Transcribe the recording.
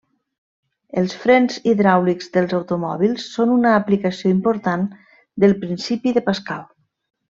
Els frens hidràulics dels automòbils són una aplicació important del principi de Pascal.